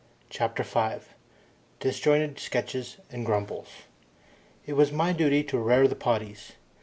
CHAPTER FIVE Disjointed Sketches And Grumbles It was my duty to "rare the poddies".